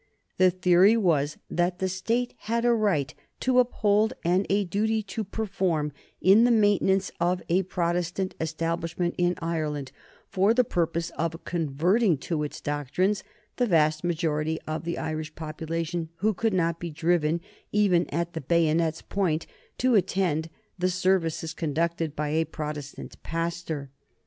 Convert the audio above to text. That theory was that the State had a right to uphold and a duty to perform in the maintenance of a Protestant Establishment in Ireland for the purpose of converting to its doctrines that vast majority of the Irish population who could not be driven, even at the bayonet's point, to attend the services conducted by a Protestant pastor.